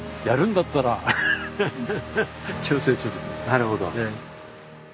なるほど。